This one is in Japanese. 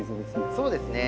そうですね。